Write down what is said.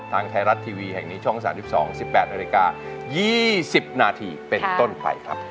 ทางไทยรัฐทีวีแห่งนี้ช่อง๓๒๑๘นาฬิกา๒๐นาทีเป็นต้นไปครับ